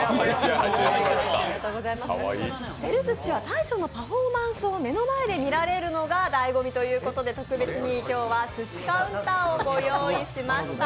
照寿司は大将のパフォーマンスを目の前で見られるのがだいご味ということで、特別に今日はすしカウンターをご用意しました。